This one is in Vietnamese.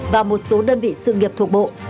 và một số đơn vị sự nghiệp thuộc bộ